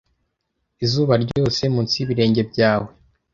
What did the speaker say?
izuba ryose munsi y'ibirenge byawe